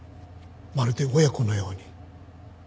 まるで親子のように。